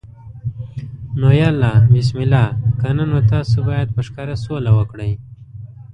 نو یا الله بسم الله، کنه نو تاسو باید په ښکاره سوله وکړئ.